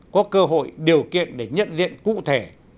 có cơ hội điều kiện để nhận diện cụ thể